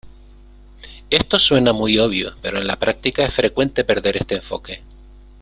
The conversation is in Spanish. Esto suena muy obvio, pero en la práctica es frecuente perder este enfoque.